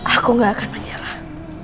aku gak akan menyerah